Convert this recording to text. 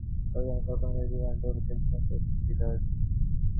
সেই সূত্রে চলুন জেনে নিই বৈজ্ঞানিক কল্পকাহিনি কীভাবে প্রভাবিত করেছে প্রযুক্তিবিদদের।